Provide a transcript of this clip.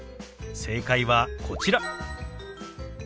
正解はこちら。